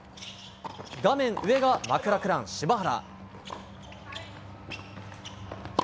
画面上がマクラクラン、柴原。